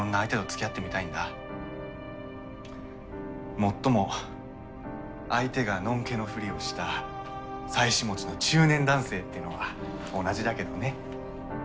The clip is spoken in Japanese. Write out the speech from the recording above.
もっとも相手がノンケのふりをした妻子持ちの中年男性ってのは同じだけどね。